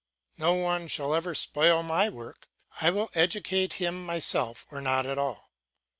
No one else shall spoil my work, I will educate him myself or not at all.